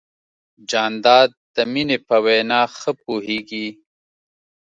جانداد د مینې په وینا ښه پوهېږي.